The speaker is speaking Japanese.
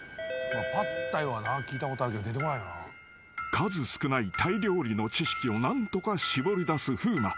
［数少ないタイ料理の知識を何とか絞りだす風磨］